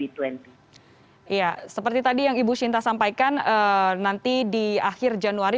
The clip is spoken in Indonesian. iya seperti tadi yang ibu shinta sampaikan nanti di akhir januari